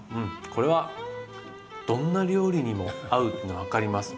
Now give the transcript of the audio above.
これはどんな料理にも合うっていうの分かります。